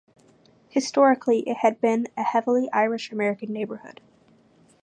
Historically it had been a heavily Irish-American neighborhood.